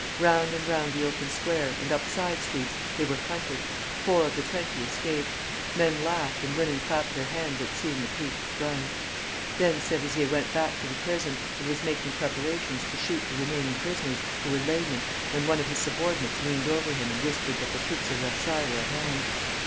Round and round the open square, and up side streets, they were hunted. Four of the twenty escaped. Men laughed and women clapped their hands at seeing the priests run. Then Serizier went back to the prison, and was making preparations to shoot the remaining prisoners, who were laymen, when one of his subordinates leaned over him and whispered that the troops of Versailles were at hand.